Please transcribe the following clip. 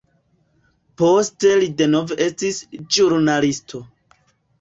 Poste li denove estis ĵurnalisto.